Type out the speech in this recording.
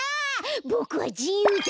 ボクはじゆうだ！